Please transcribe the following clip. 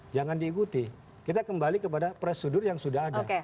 jangan diikuti kita kembali kepada prosedur yang sudah ada